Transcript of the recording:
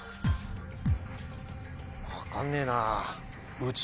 分かんねえなぁ。